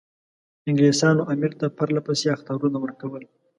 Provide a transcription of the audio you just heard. انګلیسانو امیر ته پرله پسې اخطارونه ورکول.